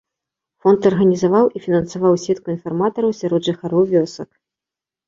Фонд арганізаваў і фінансаваў сетку інфарматараў сярод жыхароў вёсак.